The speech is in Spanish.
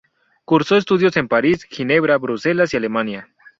Cursó estudios en París, Ginebra, Bruselas y Alemania.